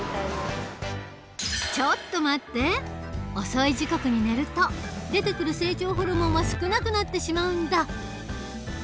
遅い時刻に寝ると出てくる成長ホルモンは少なくなってしまうんだ。